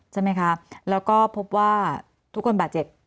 ใช่ไหมคะแล้วก็พบว่าทุกคนบาดเจ็บ